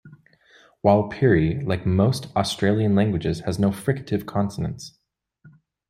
Warlpiri, like most Australian languages, has no fricative consonants.